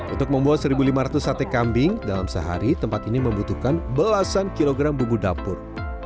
untuk membuat satu lima ratus sate kambing dalam sehari tempat ini membutuhkan belasan kilogram bumbu dapur